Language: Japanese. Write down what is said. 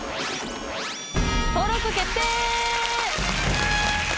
登録決定！